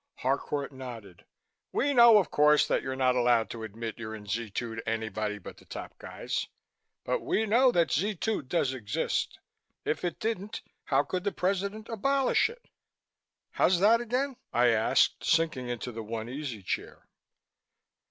Harcourt nodded. "We know, of course, that you're not allowed to admit you're in Z 2 to anybody but the top guys, but we know that Z 2 does exist. If it didn't how could the President abolish it?" "How's that again?" I asked, sinking into the one easy chair.